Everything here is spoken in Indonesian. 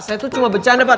saya tuh cuma bercanda pak